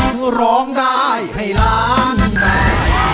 กลุงโรงได้ให้ล้างแดด